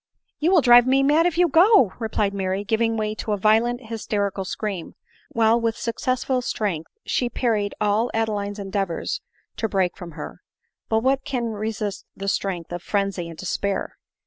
"You will drive me mad if you go,'' replied Mary, giving way to a violent hysterical scream, while with suc cessful strength she parried all Adeline's endeavors to to break from her. But what can resist the strength of frenzy and despair